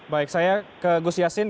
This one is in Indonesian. baik saya ke gus yassin